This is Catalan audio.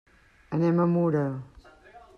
Anem a Mura.